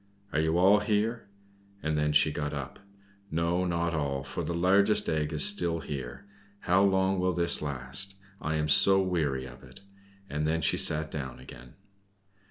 Are you all here?" And then she got up. "No, not all, for the largest egg is still here. How long will this last? I am so weary of it!" And then she sat down again.